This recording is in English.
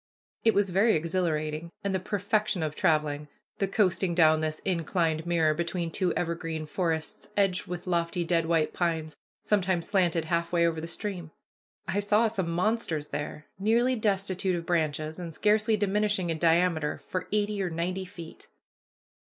It was very exhilarating, and the perfection of traveling, the coasting down this inclined mirror between two evergreen forests edged with lofty dead white pines, sometimes slanted half way over the stream. I saw some monsters there, nearly destitute of branches, and scarcely diminishing in diameter for eighty or ninety feet.